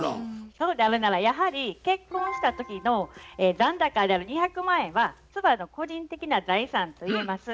そうであるならやはり結婚した時の残高である２００万円は妻の個人的な財産といえます。